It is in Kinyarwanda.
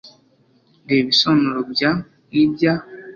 reba ibisobanuro bya n'ibya